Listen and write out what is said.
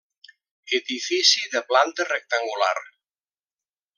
Edifici de planta rectangular.